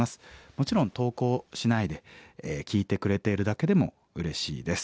もちろん投稿しないで聴いてくれているだけでもうれしいです。